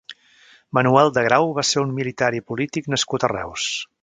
Manuel de Grau va ser un militar i polític nascut a Reus.